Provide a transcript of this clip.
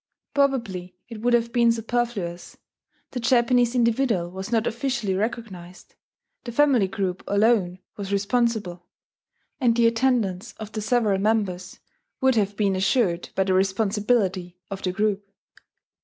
Probably it would have been superfluous: the Japanese individual was not officially recognized; the family group alone was responsible, and the attendance of the several members would have been assured by the responsibility of the group.